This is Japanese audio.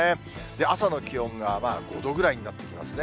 朝の気温が５度ぐらいになっていますね。